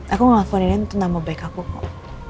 aku ngelakuin ini untuk nama baik aku kok